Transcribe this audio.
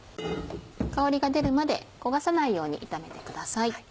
香りが出るまで焦がさないように炒めてください。